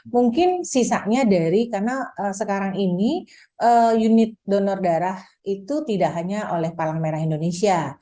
mungkin sisanya dari karena sekarang ini unit donor darah itu tidak hanya oleh palang merah indonesia